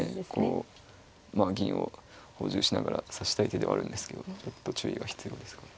こうまあ銀を補充しながら指したい手ではあるんですけどちょっと注意が必要ですかね。